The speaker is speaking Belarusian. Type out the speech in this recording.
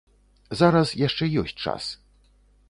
Зараз яшчэ ёсць час.